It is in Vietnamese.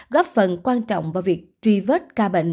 góp phần quan trọng vào việc truy vết ca bệnh